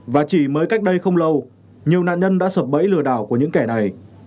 và chỉ mới cách đây không lâu nhiều nạn nhân đã sập bẫy lừa đảo của những kẻ này